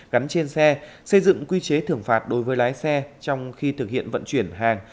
gắn trên xe xây dựng quy chế thưởng phạt đối với lái xe trong khi thực hiện vận chuyển hàng